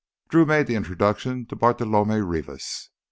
Drew made, the introduction to Bartolomé Rivas.